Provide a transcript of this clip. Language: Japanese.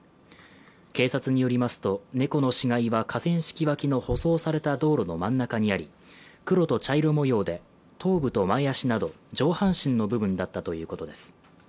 警察によりますと、猫の死骸は河川敷脇の舗装された道路の真ん中にあり黒と茶色模様で、頭部と前足など上半身の部分だったということです。